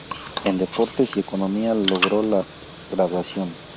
En deportes y economía, logró la graduación.